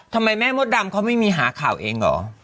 ทำไมแม่มดดำเขาไม่มีหาข่าวเองเหรอ